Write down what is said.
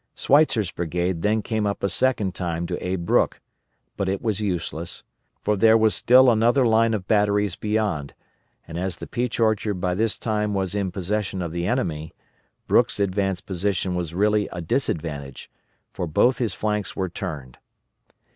Sweitzer's brigade then came up a second time to aid Brooke, but it was useless, for there was still another line of batteries beyond, and as the Peach Orchard by this time was in possession of the enemy, Brooke's advanced position was really a disadvantage, for both his flanks were turned.